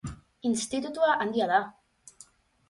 Institutu handia da.